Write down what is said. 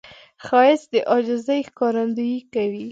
ښایست د عاجزي ښکارندویي کوي